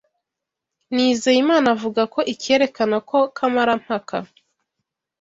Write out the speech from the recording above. Nizeyimana avuga ko icyerekana ko kamarampaka